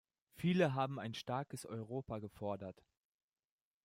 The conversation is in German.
Viele haben ein starkes Europa gefordert.